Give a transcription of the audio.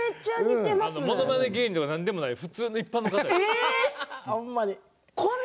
ものまね芸人でも何でもない普通の一般の方。